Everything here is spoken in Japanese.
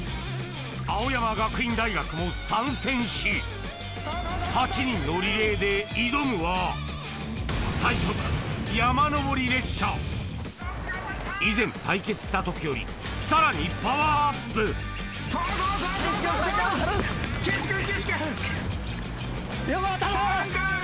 ・青山学院大学も参戦し８人のリレーで挑むは以前対決した時よりさらにパワーアップ・岸君岸君・ヨコ頼む！